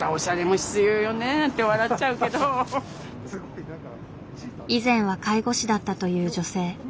変な話だけど以前は介護士だったという女性。